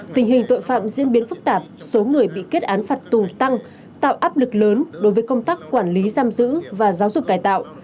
tình hình tội phạm diễn biến phức tạp số người bị kết án phạt tù tăng tạo áp lực lớn đối với công tác quản lý giam giữ và giáo dục cải tạo